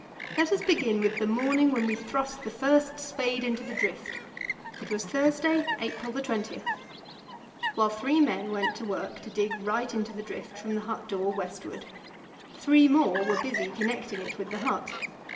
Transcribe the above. Let us begin with the morning when we thrust the first spade into the drift; it was Thursday, April 20. While three men went to work to dig right into the drift from the hut door westward, three more were busy connecting it with the hut.